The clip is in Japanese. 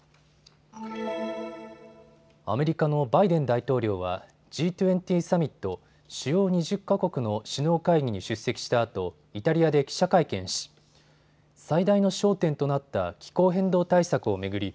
アメリカのバイデン大統領はＧ２０サミット・主要２０か国の首脳会議に出席したあとイタリアで記者会見し最大の焦点となった気候変動対策を巡り